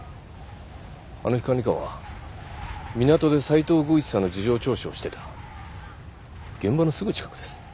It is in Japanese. あの日管理官は港で斉藤吾一さんの事情聴取をしてた現場のすぐ近くです